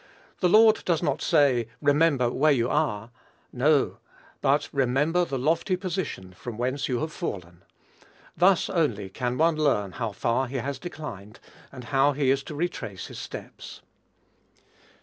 The Lord does not say, "remember where you are;" no; but "remember the lofty position from whence you have fallen." Thus only can one learn how far he has declined, and how he is to retrace his steps.